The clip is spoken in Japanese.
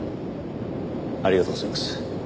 ありがとうございます。